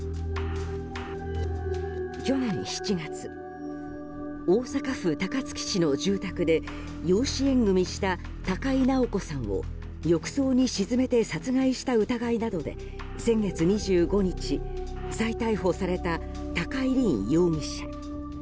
去年７月、大阪府高槻市の住宅で養子縁組した高井直子さんを浴槽に沈めて殺害した疑いなどで先月２５日、再逮捕された高井凜容疑者。